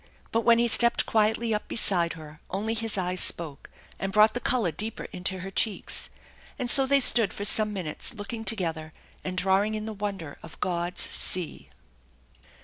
But when he stepped quietly up beside her only his eyes spoke, and brought the color deeper into her cheeks; and so they stood for some minutes, looking together and drawing in the wonder of God's sea.